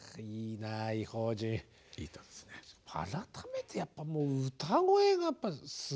改めてやっぱもう歌声がやっぱりすごいですね。